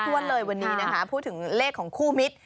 วันเลยวันนี้นะคะพูดถึงเลขของคู่มิตร